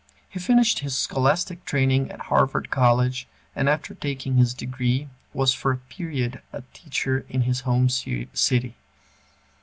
He finished his scholastic training at Harvard College, and after taking his degree was for a period a teacher in his home city.